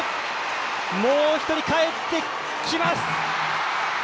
もう一人、かえってきます！